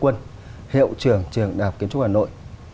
trước hết có sự có mặt của hiệu trưởng trường đạp kiến trúc hà nội